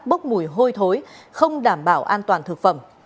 bốc mùi hôi thối không đảm bảo an toàn thực phẩm